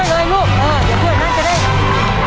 เจ็บแปดก้าว